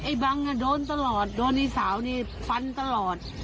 บังโดนตลอดโดนไอ้สาวนี่ฟันตลอด